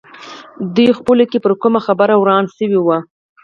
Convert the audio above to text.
دوی خپلو کې پر کومه خبره وران شوي وو.